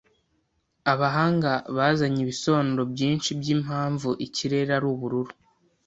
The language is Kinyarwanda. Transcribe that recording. Abahanga bazanye ibisobanuro byinshi byimpamvu ikirere ari ubururu.